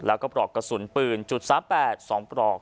แล้วก็ปลอกกระสุนปืนจุดสาปแปดสองปลอก